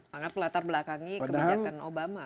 karena pelatar belakangi kebijakan obama